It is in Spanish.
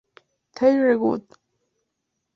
They're good!